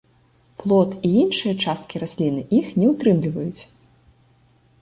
Плод і іншыя часткі расліны іх не ўтрымліваюць.